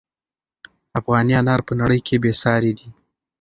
افغاني انار په نړۍ کې بې ساري دي.